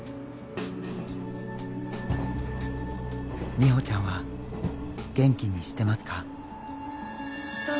「美穂ちゃんは元気にしてますか？」